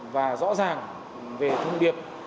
và rõ ràng về thông điệp